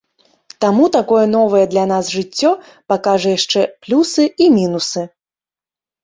Таму такое новае для нас жыццё пакажа яшчэ плюсы і мінусы.